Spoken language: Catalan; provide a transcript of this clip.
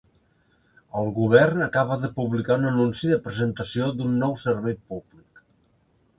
El govern acaba de publicar un anunci de presentació d'un nou servei públic.